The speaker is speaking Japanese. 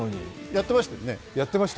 やっていましたよね？